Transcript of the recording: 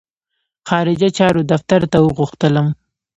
خارجه چارو دفتر ته وغوښتلم.